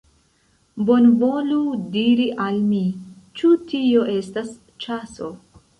Bonvolu diri al mi, ĉu tio estas ĉaso!